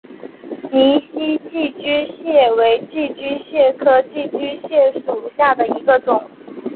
泥栖寄居蟹为寄居蟹科寄居蟹属下的一个种。